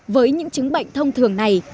với những chứng bệnh thông thường này